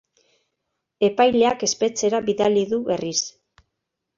Epaileak espetxera bidali du berriz.